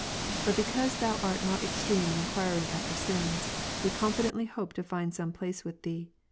But because Thou art not extreme in inquiring after sins, we confidently hope to find some place with Thee.